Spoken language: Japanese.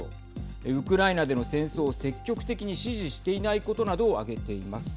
ウクライナでの戦争を積極的に支持していないことなどを挙げています。